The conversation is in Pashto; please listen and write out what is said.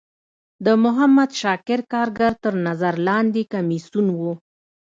د محمد شاکر کارګر تر نظر لاندی کمیسیون و.